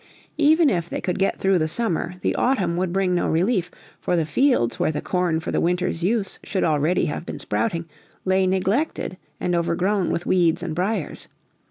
Even if they could get through the summer, the autumn would bring no relief, for the fields, where the corn for the winter's use should already have been sprouting, lay neglected and overgrown with weeds and briers.